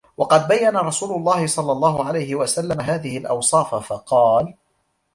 وَقَدْ بَيَّنَ رَسُولُ اللَّهِ صَلَّى اللَّهُ عَلَيْهِ وَسَلَّمَ هَذِهِ الْأَوْصَافَ فَقَالَ